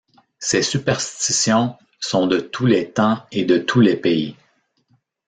Ces superstitions sont de tous les temps et de tous les pays.